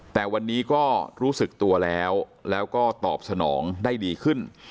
แต่วันนี้ก็รู้สึกตัวแล้วแล้วก็ตอบสนองได้ดีขึ้น